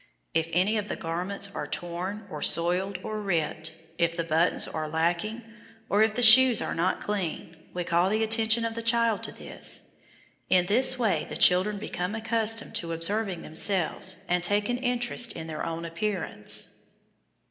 If any of the garments are torn or soiled or ripped, if the buttons are lacking, or if the shoes are not clean, we call the attention of the child to this. In this way, the children become accustomed to observing themselves and take an interest in their own appearance.